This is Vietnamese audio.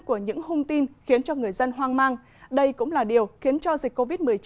của những hung tin khiến cho người dân hoang mang đây cũng là điều khiến cho dịch covid một mươi chín